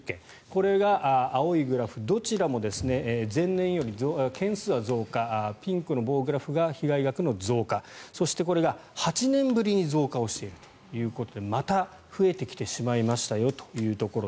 これが青いグラフ、どちらも前年より件数は増加ピンクの棒グラフが被害額の増加そして、これが８年ぶりに増加をしているということでまた、増えてきてしまいましたよというところ。